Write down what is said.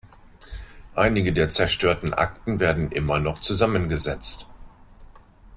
Einige der zerstörten Akten werden immer noch zusammengesetzt.